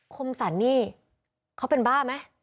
คมสรรนี่เขาเป็นบ้าไหม